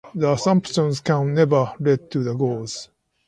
The assumptions can never lead to the goals.